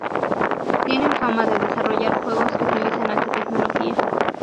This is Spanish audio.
Tienen fama de desarrollar juegos que utilizan alta tecnología.